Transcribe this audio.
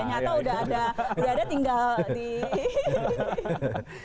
ya nyata udah ada udah ada tinggal di